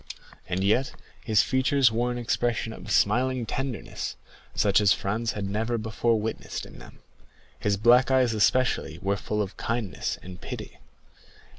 And yet his features wore an expression of smiling tenderness, such as Franz had never before witnessed in them; his black eyes especially were full of kindness and pity.